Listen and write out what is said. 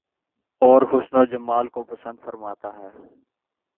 اور حسن و جمال کو پسند فرماتا ہے